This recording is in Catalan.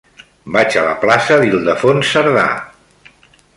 Vaig a la plaça d'Ildefons Cerdà.